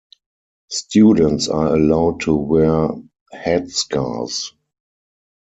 Students are allowed to wear headscarves.